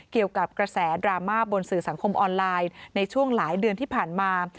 เกี่ยวกับกระแสดราม่าบนสื่อสังคมออนไลน์ในช่วงหลายเดือนที่ผ่านมา